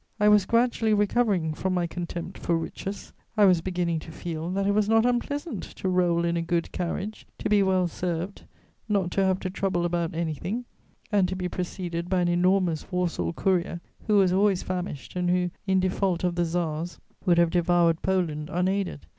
I was gradually recovering from my contempt for riches; I was beginning to feel that it was not unpleasant to roll in a good carriage, to be well served, not to have to trouble about anything, and to be preceded by an enormous Warsaw courier, who was always famished and who, in default of the Tsars, would have devoured Poland unaided.